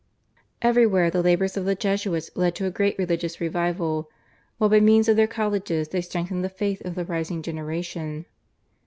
Everywhere the labours of the Jesuits led to a great religious revival, while by means of their colleges they strengthened the faith of the rising generation.